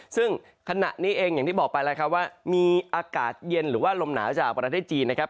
ซึ่งขณะนี้เองอย่างที่บอกไปแล้วครับว่ามีอากาศเย็นหรือว่าลมหนาวจากประเทศจีนนะครับ